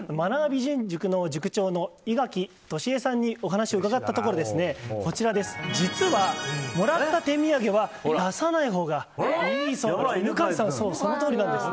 美人塾の塾長の井垣利英さんにお話を伺ったところ実は、もらった手土産は出さないほうがいいそうです。